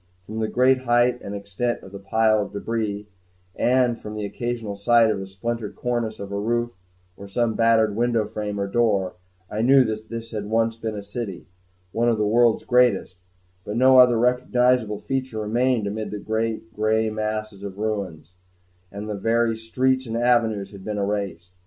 From the great height and extent of the piles of debris, and from the occasional sight of the splintered cornice of a roof or of some battered window frame or door, I knew that this had once been a city, one of the world's greatest; but no other recognizable feature remained amid the gray masses of ruins, and the very streets and avenues had been erased.